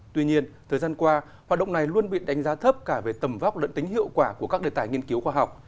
tuy nhiên thời gian qua hoạt động này luôn bị đánh giá thấp cả về tầm vóc lẫn tính hiệu quả của các đề tài nghiên cứu khoa học